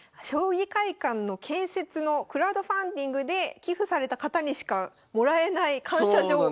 将棋会館の建設のクラウドファンディングで寄付された方にしかもらえない感謝状。